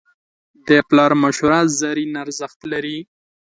د پلار مشوره زرین ارزښت لري.